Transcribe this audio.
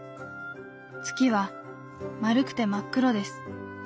月は丸くて真っ黒です。